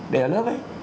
để ở lớp ấy